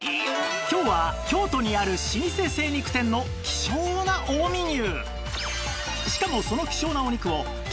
今日は京都にある老舗精肉店の希少な近江牛！